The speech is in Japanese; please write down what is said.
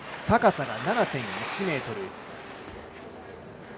高さが７．１ｍ。